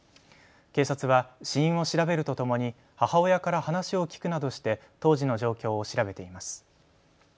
警察は死因を調べるとともに母親から話を聞くなどして当時の状況を調べています。